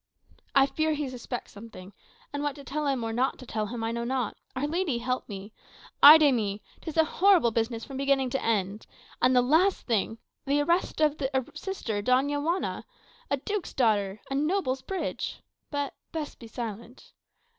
"I fear he suspects something; and what to tell him, or not to tell him, I know not Our Lady help me! Ay de mi! 'Tis a horrible business from beginning to end. And the last thing the arrest of the sister, Doña Juana! A duke's daughter a noble's bride. But best be silent.